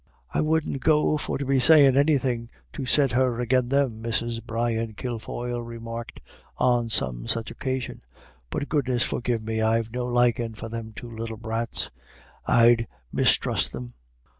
"I wouldn't go for to be sayin' anythin' to set her agin them," Mrs. Brian Kilfoyle remarked on some such occasion. "But, goodness forgive me! I've no likin' for them two little brats. I'd misthrust them."